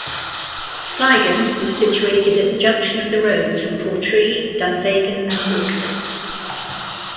Sligachan is situated at the junction of the roads from Portree, Dunvegan and Broadford.